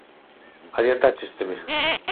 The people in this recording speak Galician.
–Adiantáchesteme.